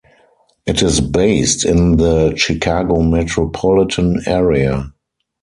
It is based in the Chicago metropolitan area.